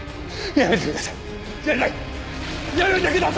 ややめてください！